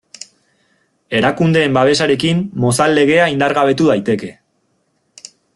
Erakundeen babesarekin Mozal Legea indargabetu daiteke.